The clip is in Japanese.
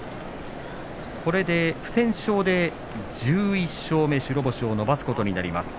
不戦勝で１１勝目で白星を伸ばすことになりました。